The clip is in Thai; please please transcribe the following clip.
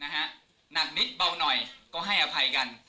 หนักนิดเบาหน่อยก็ให้อภัยกัน